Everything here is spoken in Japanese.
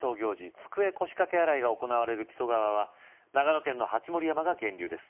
机・腰掛け洗いが行われる木曽川は長野県の鉢盛山が源流です